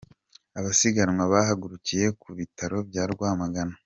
Abasiganwa bahagurukiye ku Bitaro bya Rwamagana.